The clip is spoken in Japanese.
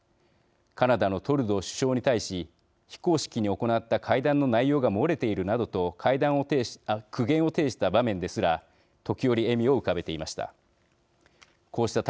カナダのトルドー首相に対し非公式に行った会談の内容が漏れているなどと苦言を呈した場面ですら時折、笑みを浮かべていました。